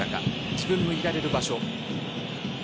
自分のいられる場所。